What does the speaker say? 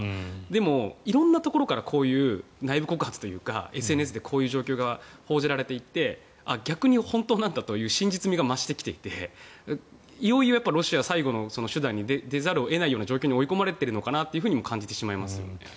でも、色んなところから内部告発というかＳＮＳでこういう状況が報じられていて逆に本当なんだという真実味が増してきていていよいよロシア、最後の手段に出ざるを得ないような状況に追い込まれているのかなとも感じてしまいますよね。